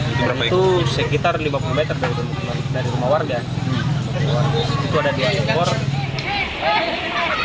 itu sekitar lima puluh meter dari rumah warga